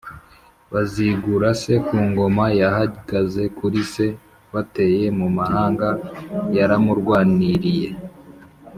Bazigurase ku ngoma: yahagaze kuri se bateye mu mahanga. Yaramurwaniriye.